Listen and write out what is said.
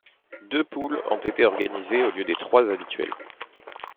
Deux poules ont été organisées au lieu des trois habituelles.